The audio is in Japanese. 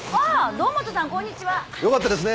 堂本さんこんにちはよかったですね